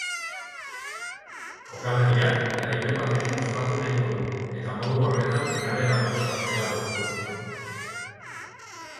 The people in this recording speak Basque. Jokalariak garaipen batekin ospatu nahiko du eta modu horretan finalerako txartela lortu.